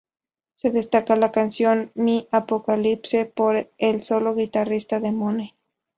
Se destaca la canción "My apocalypse", por el solo de guitarra de Money.